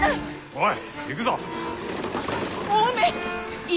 おい！